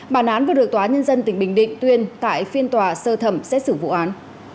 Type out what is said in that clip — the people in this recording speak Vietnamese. bản án vừa được tòa nhân dân tỉnh bình định tuyên tại phiên tòa sơ thẩm xét xử vụ án